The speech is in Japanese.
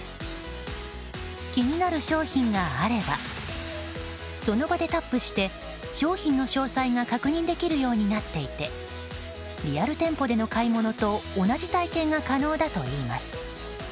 気になる商品があればその場でタップして商品の詳細が確認できるようになっていてリアル店舗での買い物と同じ体験が可能だといいます。